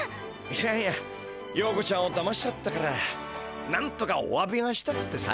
いやいやヨーコちゃんをだましちゃったからなんとかおわびがしたくてさ。